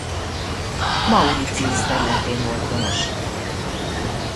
Mauritius területén volt honos.